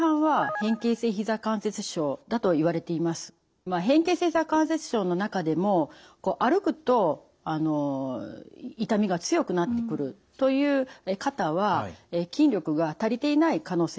変形性ひざ関節症の中でも歩くと痛みが強くなってくるという方は筋力が足りていない可能性があります。